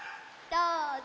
どうぞ！